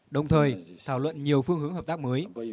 đồng thời thảo luận nhiều phương hướng hợp tác mới